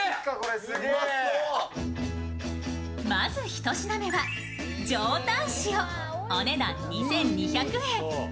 まず１品目は、上タン塩お値段２２００円。